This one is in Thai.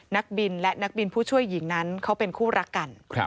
นักบินและนักบินผู้ช่วยหญิงนั้นเขาเป็นคู่รักกัน